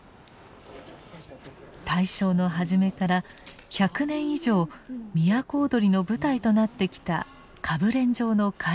大正の初めから１００年以上都をどりの舞台となってきた歌舞練場の改修工事です。